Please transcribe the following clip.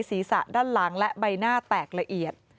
ศีรษะด้านหลังและใบหน้าแตกละเอียด